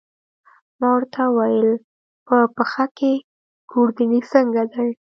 ما ورته وویل: په پښه کې، ګوردیني څنګه دی؟